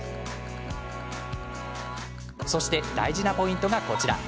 そして大事なポイントがこちら。